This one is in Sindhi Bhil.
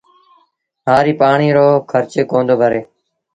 هآريٚ پآڻي رو کرچ ڪوندو ڀري